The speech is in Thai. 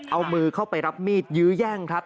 เอามือเข้าไปรับมีดยื้อแย่งครับ